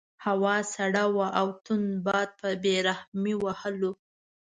هوا سړه وه او تند باد په بې رحمۍ وهلو.